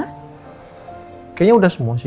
kayaknya udah semua sih